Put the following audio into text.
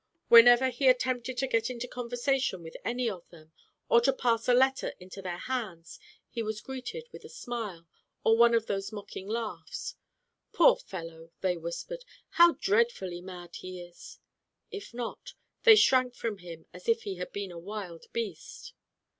Whenever he attempted to get into conversation with any of them, or to pass a letter into their hands, he was greeted with a smile, or one of those mocking laughs. *Toor fellow," they whispered, how dreadfully mad he is." If not, they shrank from him as if he had been a wild beast.